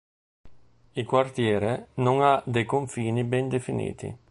Il quartiere non ha dei confini ben definiti.